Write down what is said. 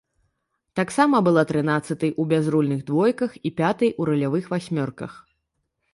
Таксама была трынаццатай у бязрульных двойках і пятай у рулявых васьмёрках.